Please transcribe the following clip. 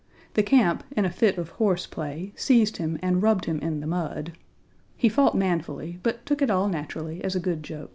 The camp in a fit of horse play seized him and rubbed him in the mud. He fought manfully, but took it all naturally as a good joke.